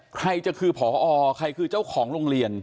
ใครจะคือพอใครคือเจ้าของโรงเรียน